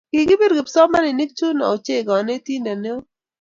Kikibir kipsomaninik chuno ochei konetinte ne oo.